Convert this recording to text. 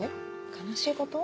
悲しいこと？